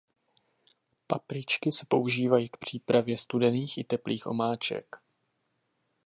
Papričky se používají k přípravě studených i teplých omáček.